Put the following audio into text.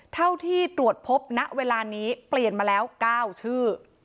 เท่าที่ตรวจพบณเวลานี้เปลี่ยนมาแล้ว๙ชื่อ